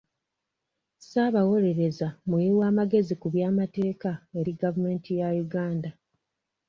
Ssaabawolereza muwi w'amagezi ku by'amateeka eri gavumenti ya Uganda.